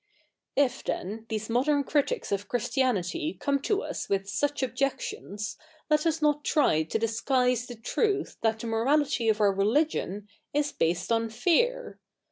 If then, these modern critics of Christianity come to us with such objections, let us not try to disguise the truth that the morality of our religion is based on fear.